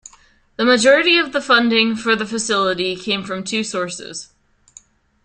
The majority of the funding for the facility came from two sources.